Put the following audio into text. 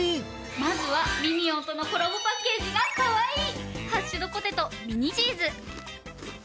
まずはミニオンとのコラボパッケージがかわいいハッシュドポテトミニチーズ。